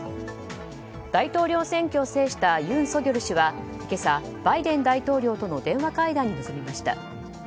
大統領選挙を制したユン・ソギョル氏は今朝、バイデン大統領との電話会談に臨みました。